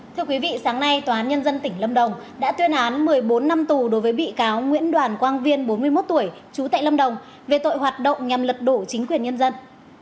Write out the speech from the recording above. thưa quý vị sáng nay tòa án nhân dân tỉnh lâm đồng đã tuyên án một mươi bốn năm tù đối với bị cáo nguyễn đoàn quang viên bốn mươi một tuổi trú tại lâm đồng về tội hoạt động nhằm lật đổ chính quyền nhân dân